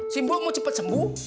si mbok mau cepet sembuh